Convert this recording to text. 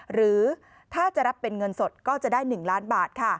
หรือถ้าจะรับเป็นเงินสดก็จะได้๑ล้านบาท